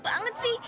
ih kamu banget sih